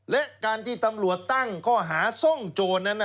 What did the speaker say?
และการที่ตำรวจตั้งข้อหาซ่องโจรนั้น